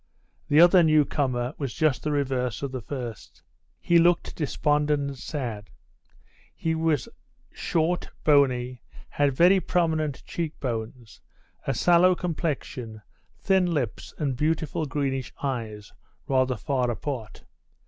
The other newcomer was just the reverse of the first. He looked despondent and sad. He was short, bony, had very prominent cheek bones, a sallow complexion, thin lips and beautiful, greenish eyes, rather far apart.